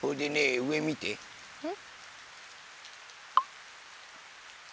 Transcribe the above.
うん。